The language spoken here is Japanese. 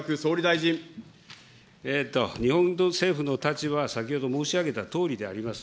日本政府の立場は、先ほど申し上げたとおりであります。